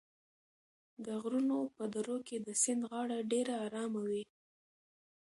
د غرونو په درو کې د سیند غاړه ډېره ارامه وي.